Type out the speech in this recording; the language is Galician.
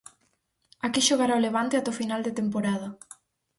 Aquí xogará o Levante ata o final de temporada.